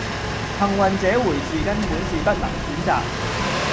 幸運這回事根本是不能選擇